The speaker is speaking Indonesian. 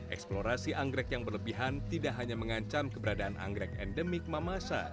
eksplorasi anggrek yang berlebihan tidak hanya mengancam keberadaan anggrek endemik mamasa